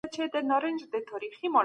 چې د زعفرانو کوربه دی.